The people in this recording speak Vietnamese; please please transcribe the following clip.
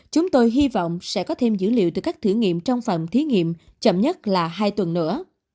chúng tôi hy vọng sẽ có thêm dữ liệu từ các thử nghiệm trong phòng thí nghiệm chậm nhất là hai tuần nữa